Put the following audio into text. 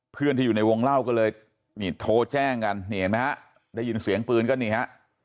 เพื่อนที่อยู่ในวงเล่าก็เลยนี่โทรแจ้งกันนี่เห็นไหมฮะได้ยินเสียงปืนก็นี่ฮะ